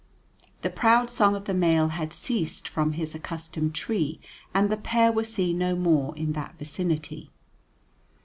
The proud song of the male had ceased from his accustomed tree, and the pair were seen no more in that vicinity.